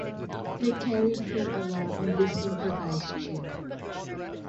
They carried him along on this improvised chair.